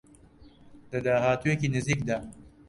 لە داهاتوویەکی نزیکدا